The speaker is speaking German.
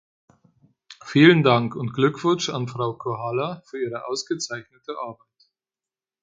Vielen Dank und Glückwunsch an Frau Korhola für ihre ausgezeichnete Arbeit.